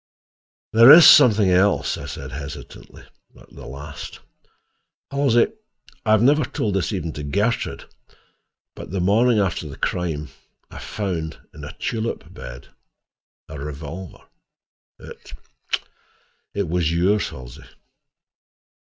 "There is something else," I said hesitatingly, at the last. "Halsey, I have never told this even to Gertrude, but the morning after the crime, I found, in a tulip bed, a revolver. It—it was yours, Halsey."